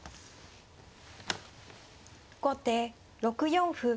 後手６四歩。